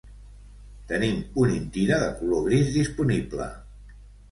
Tenim un Intira de color gris disponible.